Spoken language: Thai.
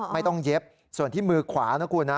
ไม่ต้องเย็บส่วนที่มือขวานะครับคุณฮะ